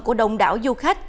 của đồng đảo du khách